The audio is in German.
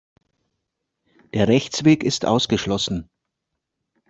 Der Rechtsweg ist ausgeschlossen.